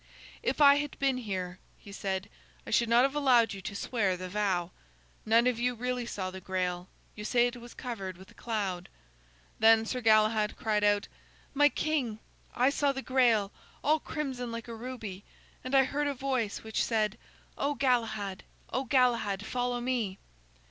"If I had been here," he said, "I should not have allowed you to swear the vow. None of you really saw the Grail; you say it was covered with a cloud." Then Sir Galahad cried out: "My king, I saw the Grail, all crimson like a ruby, and I heard a voice which said, 'O Galahad, O Galahad, follow me!'"